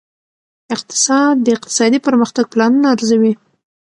اقتصاد د اقتصادي پرمختګ پلانونه ارزوي.